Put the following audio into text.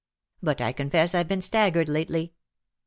But I confess I've been staggered lately.'